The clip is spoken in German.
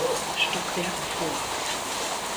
Stockwerk vor.